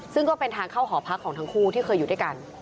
ซึ่งก็เป็นทางเข้าหอพักของทั้งคู่ที่เคยอยู่ด้วยกัน